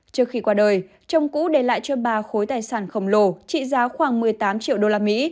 trước khi qua đời chồng cũ để lại cho bà khối tài sản khổng lồ trị giá khoảng một mươi tám triệu đô la mỹ